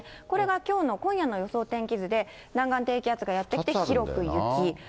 これがきょうの、今夜の予想天気図で、南岸低気圧がやって来て、広く雪。